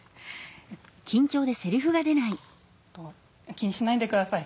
「気にしないでください！